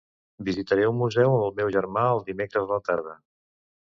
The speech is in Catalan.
Visitaré un museu amb el meu germà el dimecres a la tarda.